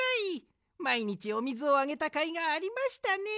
まいにちおみずをあげたかいがありましたね。